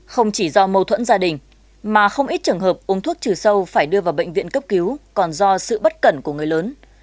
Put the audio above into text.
không chỉ do mâu thuẫn gia đình mà không ít trường hợp uống thuốc trừ sâu phải đưa vào bệnh viện cấp cứu còn do sự bất cẩn của người lớn